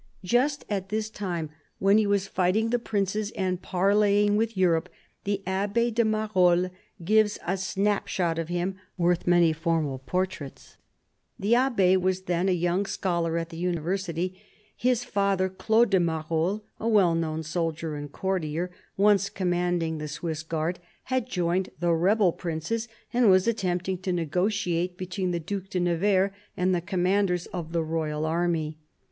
Just at this time, when he was fighting the princes and parleying with Europe, the Abb6 de MaroUes gives a snap shot of him worth many formal portraits. The Abb6 was then a young scholar at the university. His father, Claude de Marolles, a well known soldier and courtier, once com manding the Swiss Guard, had joined the rebel princes and was attempting to negotiate between the Due de Nevers and the commanders of the royal army.